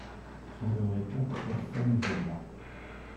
On me répond que personne n'est là.